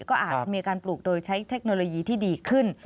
ก็อาจมีการปลูกโดยใช้เทคโนโลยีที่ดีขึ้น